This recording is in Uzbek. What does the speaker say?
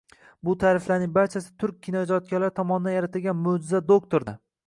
Bu tariflarning barchasi turk kinoijodkorlari tomonidan yaratilgan «Mo’jiza doktor»da